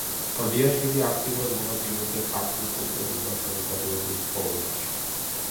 კლდიაშვილი აქტიურად მონაწილეობდა ქართულ კულტურულ და საზოგადოებრივ ცხოვრებაში.